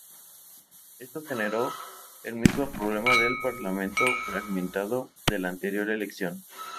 Esto generó el mismo problema del parlamento fragmentado de la anterior elección.